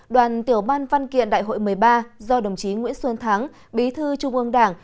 đoàn tiểu ban văn kiện đại hội một mươi ba do đồng chí nguyễn xuân thắng bí thư trung ương đảng